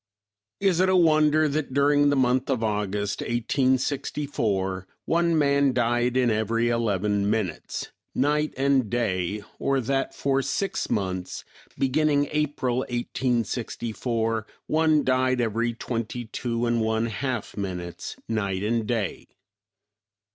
"Is it a wonder that during the month of August, 1864, one man died in every eleven minutes, night and day, or that, for six months, beginning April, 1864, one died every twenty two and one half minutes night and day?